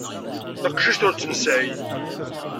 Taqcict ur tt-nesɛi.